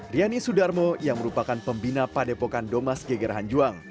riani sudarmo yang merupakan pembina padepokan domas geger hanjuang